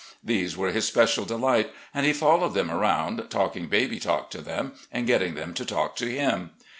These were his special delight, and he followed them arotmd, talking baby talk to them and getting them to talk to him.